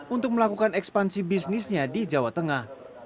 untuk melakukan ekspansi bisnisnya di jawa tengah